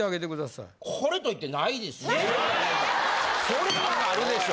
それはあるでしょ。